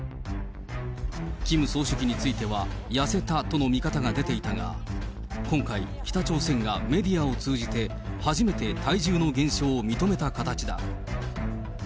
キム総書記については、痩せたとの見方が出ていたが、今回、北朝鮮がメディアを通じて、初めて体重の減少を認めた形だ。